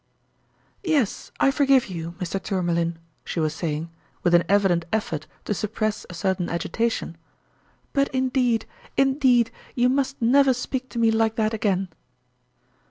" Yes, I forgive you, Mr. Tourmalin," she was saying, with an evident effort to suppress a certain agitation ; but indeed, indeed, you must never speak to me like that again